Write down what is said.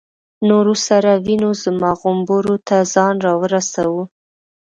نورو سرو وینو زما غومبورو ته ځان را ورساوه.